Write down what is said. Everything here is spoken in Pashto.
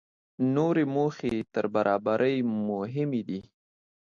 نورې موخې تر برابرۍ مهمې دي.